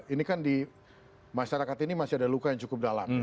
ini kan di masyarakat ini masih ada luka yang cukup dalam